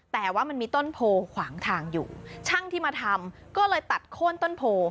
แต่ว่ามันมีต้นโพขวางทางอยู่ช่างที่มาทำก็เลยตัดโค้นต้นโพ